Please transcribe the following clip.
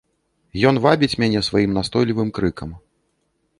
Ён вабіць мяне сваім настойлівым крыкам.